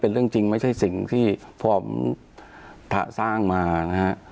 เป็นเรื่องจริงไม่ใช่สิ่งที่ผมสร้างมานะคะ